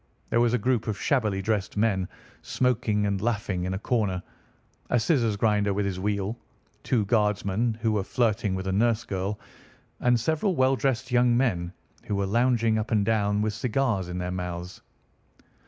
There was a group of shabbily dressed men smoking and laughing in a corner, a scissors grinder with his wheel, two guardsmen who were flirting with a nurse girl, and several well dressed young men who were lounging up and down with cigars in their mouths.